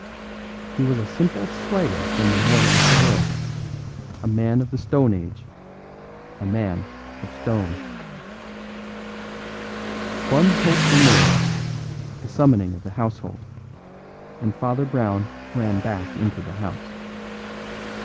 He was a simple slayer from the morning of the earth; a man of the stone age a man of stone. One hope remained, the summoning of the household; and Father Brown ran back into the house.